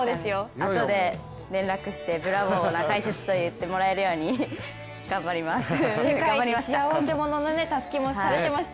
あとで連絡してブラボーな解説と言ってもらえるように頑張りました。